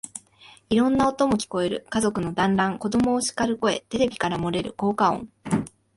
いろんな音も聞こえる。家族の団欒、子供をしかる声、テレビから漏れる効果音、